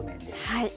はい。